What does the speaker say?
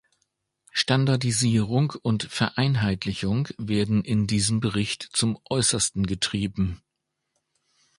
Standardisierung und Vereinheitlichung werden in diesem Bericht zum Äußersten getrieben.